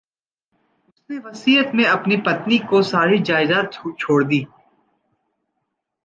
उसने वसीयत में अपनी पत्नी को सारी जायदाद छोड़ दी।